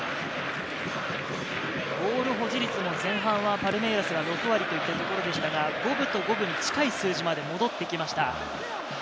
ボール保持率も前半はパルメイラスが６割といったところでしたが、五分と五分に近い数字まで戻ってきました。